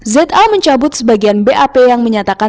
za mencabut sebagian bap yang menyatakan